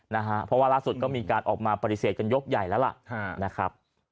เพราะว่าล่าสุดก็มีการออกมาปฏิเสธกันยกใหญ่แล้วล่ะ